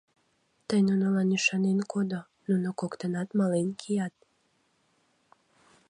Тый нунылан ӱшанен кодо, нуно коктынат мален кият!